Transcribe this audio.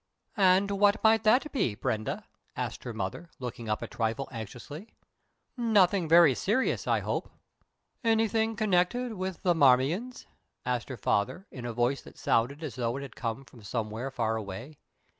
"And what might that be, Brenda?" asked her mother, looking up a trifle anxiously. "Nothing very serious, I hope." "Anything connected with the Marmions?" asked her father, in a voice that sounded as though it had come from somewhere far away.